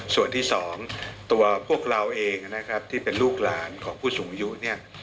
ส่วนที่สองตัวพวกเราเองนะครับที่เป็นลูกหลานของผู้สูงอายุเนี่ย